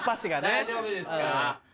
大丈夫ですか？